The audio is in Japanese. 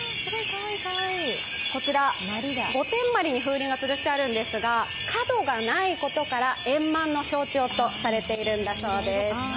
こちら、御殿まりに風鈴をつるしてあるんですが角がないことから、円満の象徴とされているんだそうです。